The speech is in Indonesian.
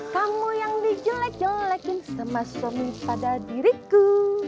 kamu yang dijelek jelekin sama suami pada diriku